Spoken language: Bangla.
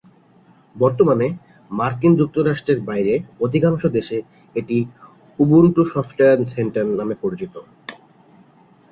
বর্তমানে মার্কিন যুক্তরাষ্ট্রের বাইরে অধিকাংশ দেশে এটি "উবুন্টু সফটওয়্যার সেন্টার" নামে পরিচিত।